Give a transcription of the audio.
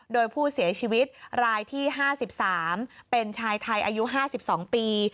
โดยผู้เสียชีวิตรายที่๕๓เป็นชายไทยอายุ๕๒ปี